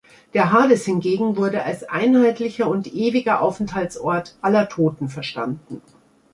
Der Hades hingegen wurde als einheitlicher und ewiger Aufenthaltsort aller Toten verstanden.